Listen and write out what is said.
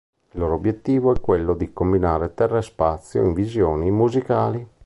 Il loro obiettivo è quello di combinare terra e spazio in visioni musicali.